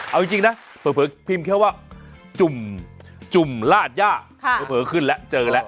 เอาจริงนะเผลอพิมพ์แค่ว่าจุ่มลาดย่าเผลอขึ้นแล้วเจอแล้ว